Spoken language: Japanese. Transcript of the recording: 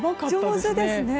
上手ですね。